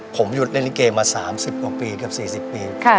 ผมหยุดเล่นลิเกมา๓๐กว่าปีเกือบ๔๐ปี